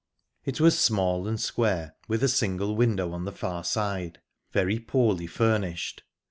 It was small and square, with a single window on the far side; very poorly furnished.